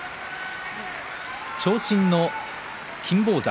長身の金峰山